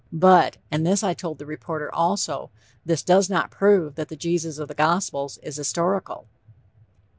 But, and this I told the reporter also, this does not prove that the Jesus of the Gospels is historical."